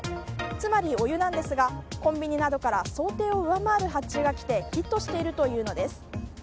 つまり、お湯なんですがコンビニなどから想定を上回る発注が来てヒットしているというのです。